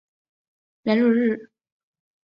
莱洛日。